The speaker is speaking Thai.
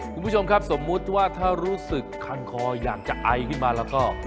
คุณผู้ชมครับสมมุติว่าถ้ารู้สึกคันคออยากจะไอขึ้นมาแล้วก็